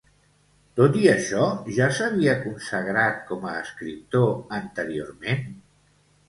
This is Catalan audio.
Tot i això, ja s'havia consagrat com a escriptor anteriorment?